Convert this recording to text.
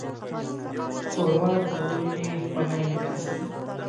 ښوروا د تودوخې خوږه انعکاس ده.